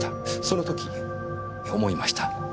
その時思いました。